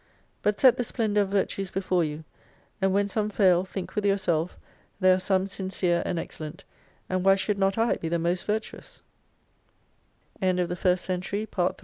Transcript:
But set the splen dour of virtues before you, and when some fail, think with yourself, there are some sincere and excellent, and why should not I be the most virtuous 3 85 With all their eyes